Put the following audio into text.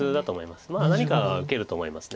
まあ何かは受けると思います。